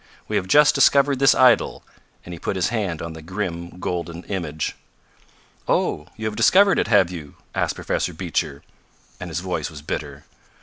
We have just discovered this idol," and he put his hand on the grim golden image. "Oh, you have discovered it, have you?" asked Professor Beecher, and his voice was bitter.